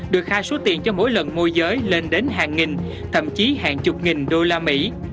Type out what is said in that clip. được khai số tiền cho mỗi lần môi giới lên đến hàng nghìn thậm chí hàng chục nghìn đô la mỹ